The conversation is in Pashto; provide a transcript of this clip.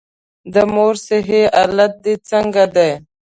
د مور صحي حالت دي څنګه دی؟